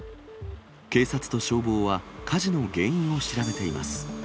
警察と消防は、火事の原因を調べています。